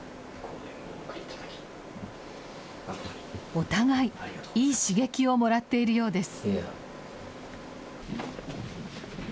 お互い、いい刺激をもらっているようです。